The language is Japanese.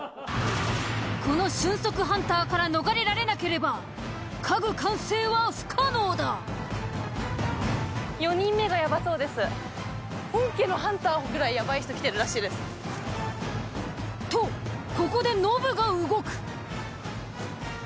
この俊足ハンターから逃れられなければ家具完成は不可能だ。とここでノブが動く。